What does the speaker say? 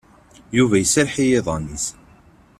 Yuba iserreḥ i yiḍan-ines.